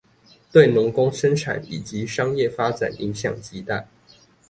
對農工生產以及商業發展影響極大